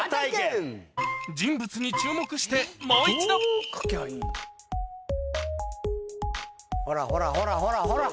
人物に注目してもう一度ほらほらほらほらほら。